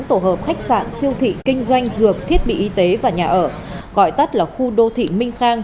tổ hợp khách sạn siêu thị kinh doanh dược thiết bị y tế và nhà ở gọi tắt là khu đô thị minh khang